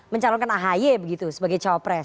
mencalonkan ahe sebagai cowapres